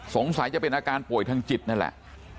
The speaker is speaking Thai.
สงสัยจะเป็นอาการป่วยทางจิตนั่นแหละ